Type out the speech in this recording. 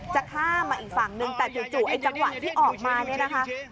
จะข้ามมาอีกฝั่งนึงแต่จู่ไอ้จังหวะที่ออกมาเนี่ยนะคะ